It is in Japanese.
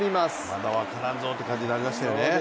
まだ分からんぞという感じになりましたよね。